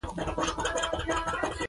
جاني دیپ وایي احساسات له زړه نه بندېږي.